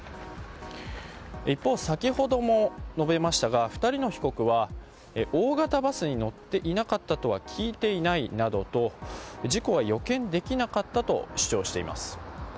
一方、先ほども述べましたが２人の被告は大型バスに乗っていなかったとは聞いていないなどと事故は予見できなかったと主張しています。